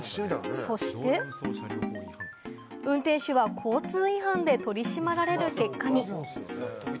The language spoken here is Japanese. そして運転手は交通違反で取り締まられる結果に。